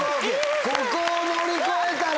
ここを乗り越えたら。